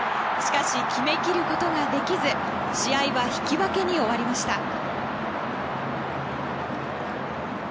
しかし決めきることができず試合は引き分けに終わりました。